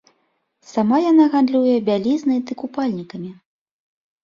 Сама яна гандлюе бялізнай ды купальнікамі.